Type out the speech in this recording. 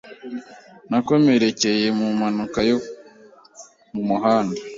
Nakomerekeye mu mpanuka yo mu muhanda.